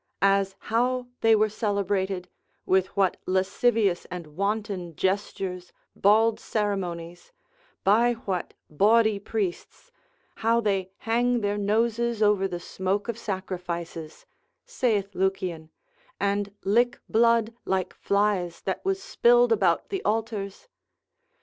as how they were celebrated, with what lascivious and wanton gestures, bald ceremonies, by what bawdy priests, how they hang their noses over the smoke of sacrifices, saith Lucian, and lick blood like flies that was spilled about the altars.